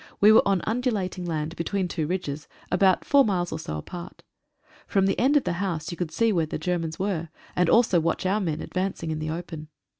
We were on undulating land, between two ridges, about four miles or so apart. From the end of the house you could see where the Germans were, and also watch our men advancing in the open.